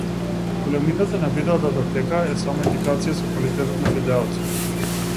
Големината на видео датотека е само индикација за квалитетот на видеото.